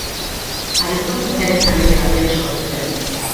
Aristokraziaren familia batean sortu zen.